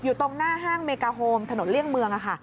ตรงหน้าห้างเมกาโฮมถนนเลี่ยงเมืองค่ะ